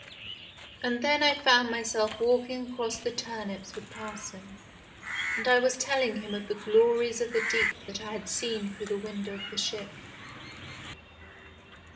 And then I found myself walking across the turnips with parson, and I was THE GHOST SHIP 15 telling him of the glories of the deep that I had seen through the window of the ship.